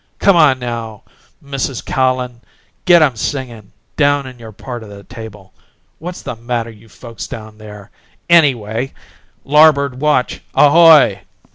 Come on, now! Mrs. Callin, get 'em singin' down in your part o' the table. What's the matter you folks down there, anyway? Larboard watch, ahoy!"